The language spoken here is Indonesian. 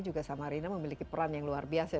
juga samarinda memiliki peran yang luar biasa